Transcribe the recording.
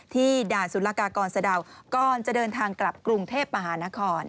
ที่ด่านศูนย์ลากากรสะดาวก่อนจะเดินทางกลับกรุงเทพภาหานคร